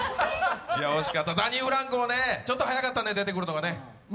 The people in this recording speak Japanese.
ザニーフランクもちょっと早かったね、出てくるのがね。